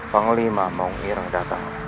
panglima menghirang datang